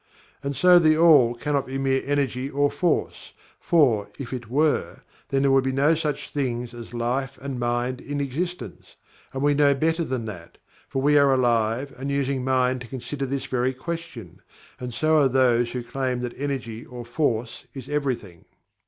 " And so THE ALL cannot be mere Energy or Force, for, if it were, then there would be no such things as Life and Mind in existence, and we know better than that, for we are Alive and using Mind to consider this very question, and so are those who claim that Energy or Force is Everything.